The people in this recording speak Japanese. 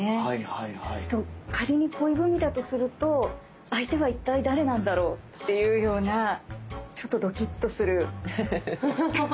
仮に恋文だとすると相手は一体誰なんだろうっていうようなちょっとドキッとする。